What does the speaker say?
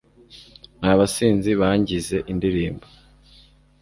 n'abasinzi bangize indirimbo